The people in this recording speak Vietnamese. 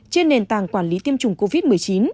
trên nền tảng quản lý tiêm chủng covid một mươi chín